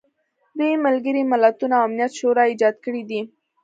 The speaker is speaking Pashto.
دوی ملګري ملتونه او امنیت شورا ایجاد کړي دي.